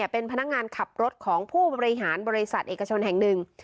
เป็นพนักงานขับรถของผู้บริหารบริษัทเอกชนแห่งหนึ่ง